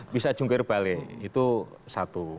bisa jungkir balik itu satu